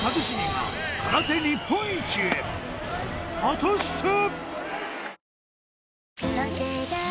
果たして？